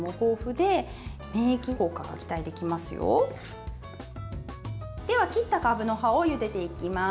では、切ったかぶの葉をゆでていきます。